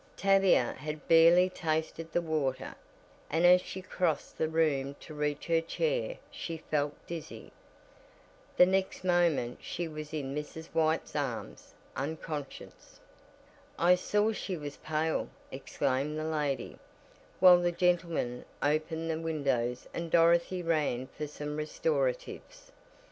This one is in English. Tavia had barely tasted the water, and as she crossed the room to reach her chair, she felt dizzy. The next moment she was in Mrs. White's arms, unconscious. "I saw she was pale," exclaimed the lady, while the gentlemen opened the windows and Dorothy ran for some restoratives.